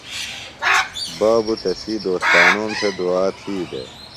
بابوۡ تسی دوستانوم تھےۡ دُعا تھی دےۡ۔